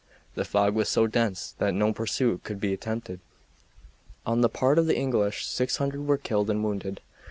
The fog was so dense that no pursuit could be attempted. On the part of the English 600 were killed and wounded.